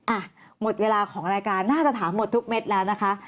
อ่ะหมดเวลาของรายการน่าจะถามหมดทุกเม็ดแล้วนะคะ